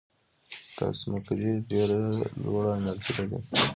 د کاسمک رې ډېره لوړه انرژي لري.